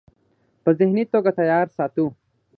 پۀ ذهني توګه تيار ساتو -